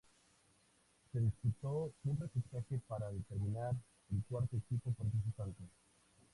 Se disputó un repechaje para determinar el cuarto equipo participante.